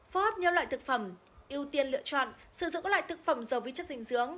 phó hấp nhiều loại thực phẩm ưu tiên lựa chọn sử dụng các loại thực phẩm giàu vi chất dinh dưỡng